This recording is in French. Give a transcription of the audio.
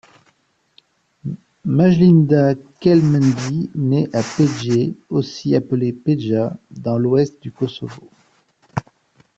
Majlinda Kelmendi nait à Pejë, aussi appelé Peja, dans l'ouest du Kosovo.